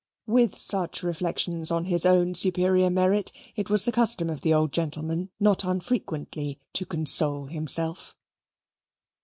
With such reflections on his own superior merit, it was the custom of the old gentleman not unfrequently to console himself.